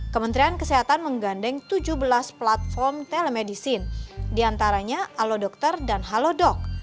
kementerian kesehatan menggandeng tujuh belas platform telemedicine diantaranya allo dokter dan halo dok